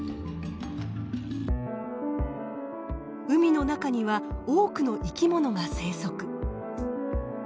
海の中には多くの生き物が生息。